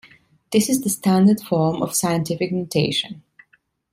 This is the "standard form" of scientific notation.